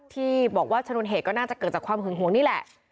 ที่บอกว่าชนวนเหตุก็น่าจะเกิดจากความหึงหวงนี่แหละ